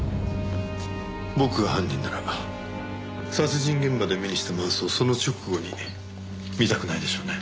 僕が犯人なら殺人現場で目にしたマウスをその直後に見たくないでしょうね。